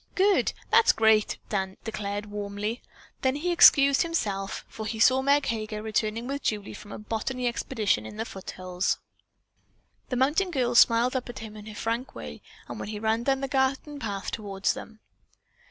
"Good! That's great!" Dan declared warmly. Then he excused himself, for he saw Meg Heger returning with Julie from a "botany expedition" in the foothills. The mountain girl smiled up at him in her frank way when he ran down the garden path toward them.